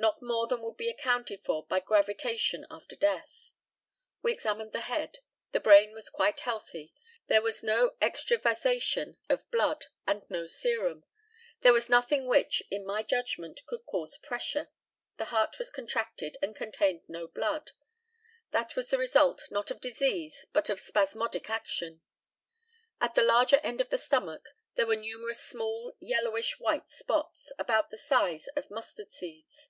Not more than would be accounted for by gravitation after death. We examined the head. The brain was quite healthy. There was no extravasation of blood, and no serum. There was nothing which, in my judgment, could cause pressure. The heart was contracted, and contained no blood. That was the result not of disease, but of spasmodic action. At the larger end of the stomach there were numerous small yellowish white spots, about the size of mustard seeds.